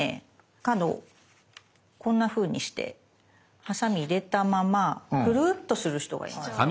角をこんなふうにしてハサミ入れたままくるっとする人がいます。